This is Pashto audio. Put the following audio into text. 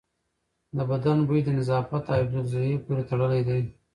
د بدن بوی د نظافت او حفظ الصحې پورې تړلی دی.